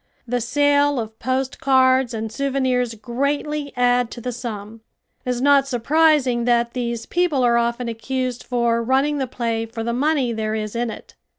The sale of post cards and souvenirs greatly add to the sum. It is not surprising that these people are often accused for running the play for the money there is in it.